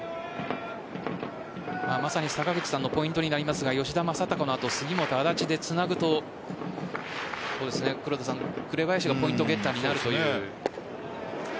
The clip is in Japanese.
まさに坂口さんのポイントになりますが吉田正尚の後杉本、安達でつなぐと紅林がポイントゲッターになるという。